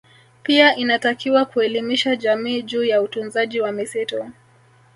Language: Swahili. Pia inatakiwa kuelimisha jamii juu ya utunzaji wa misitu